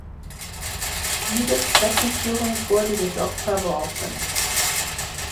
Diese Streckenführung wurde jedoch verworfen.